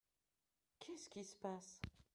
Qu'est-ce qui se passe ?